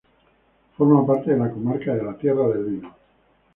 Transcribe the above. Forma parte de la comarca de la Tierra del Vino.